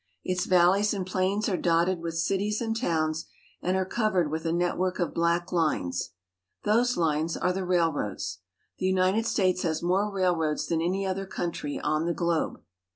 Its valleys and plains are dotted with cities and towns, and are cov ered with a network of black lines. Those lines are the railroads. The United States has more railroads than any other country on the globe.